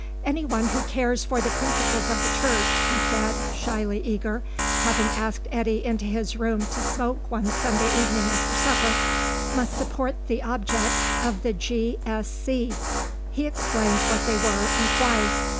"Anyone who cares for the principles of the Church," he said, shyly eager, having asked Eddy into his room to smoke one Sunday evening after supper, "must support the objects of the G.S.C." He explained what they were, and why.